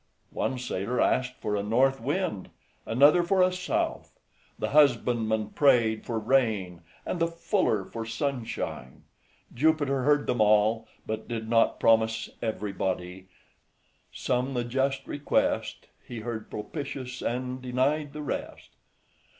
One sailor asked for a north wind, another for a south; the husbandman prayed for rain, and the fuller for sunshine. Jupiter heard them all, but did not promise everybody " some the just request, He heard propitious, and denied the rest."